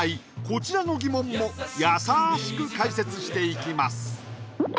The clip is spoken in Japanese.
こちらの疑問もやさしく解説していきます